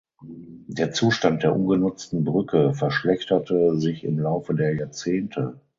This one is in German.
Der Zustand der ungenutzten Brücke verschlechterte sich im Laufe der Jahrzehnte.